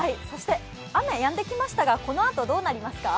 雨やんできましたがこのあとどうなりますか？